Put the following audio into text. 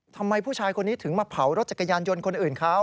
ทำไมผู้ชายคนนี้ถึงมาเผารถจักรยานยนต์คนอื่นเขา